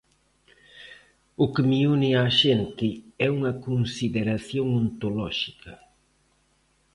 O que me une á xente é unha consideración ontolóxica.